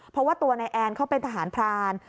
เพราะว่าตัวนายแอนเขาเป็นทหารพราน